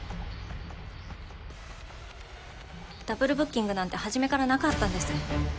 ダブルブッキングなんてはじめからなかったんです。